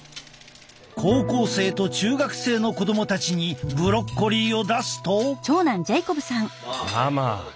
高校生と中学生の子供たちにブロッコリーを出すと。